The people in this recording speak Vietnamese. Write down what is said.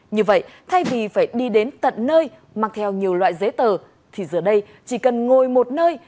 như vậy thay vì phải đi đến tận nơi mang theo nhiều loại giấy tờ thì giờ đây chỉ cần ngồi một nơi